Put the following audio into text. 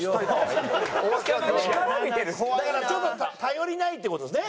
だからちょっと頼りないって事ですね？